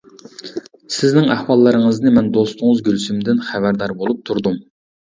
سىزنىڭ ئەھۋاللىرىڭىزنى مەن دوستىڭىز گۈلسۈمدىن خەۋەردار بولۇپ تۇردۇم.